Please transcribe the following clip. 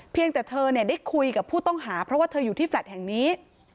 เธอได้คุยกับผู้ต้องหาเพราะว่าเธออยู่ที่แฟลต์แห่งนี้